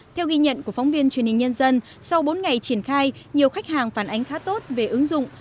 theo ghi nhận của phóng viên truyền hình nhân dân sau bốn ngày triển khai nhiều khách hàng phản ánh khá tốt về ứng dụng